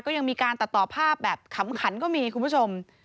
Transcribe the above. ยังมีการตัดต่อภาพแบบขำขันก็มีคุณผู้ชม